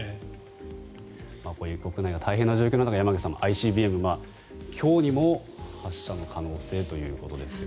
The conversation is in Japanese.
こういう国内が大変な状況の中でＩＣＢＭを今日にも発射の可能性ということですが。